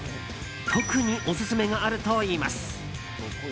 特にオススメがあるといいます。